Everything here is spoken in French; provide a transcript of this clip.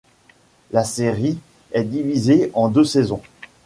La série est divisée en deux saisons.